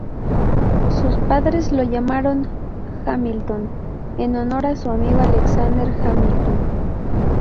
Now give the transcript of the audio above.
Sus padres lo llamaron Hamilton en honor a su amigo Alexander Hamilton.